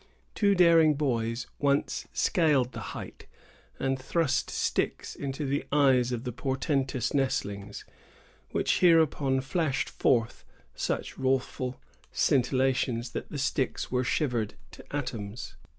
Two daring boys once scaled the height, and thrust sticks into the eyes of the portentous nestlings; which hereupon flashed forth such wrathful scintillations, that the sticks were shivered to atoms.